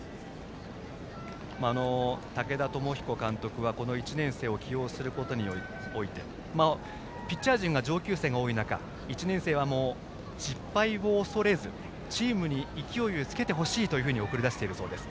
武田朝彦監督は１年生を起用することにおいてピッチャー陣が上級生が多い中１年生は失敗を恐れずチームに勢いをつけてほしいと送り出しているそうです。